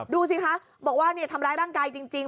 ดูสิคะบอกว่าทำร้ายร่างกายจริง